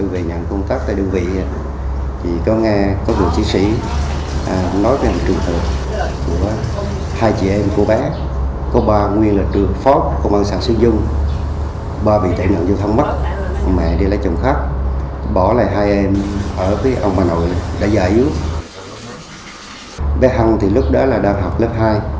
bé hân thì lúc đó là đang học lớp hai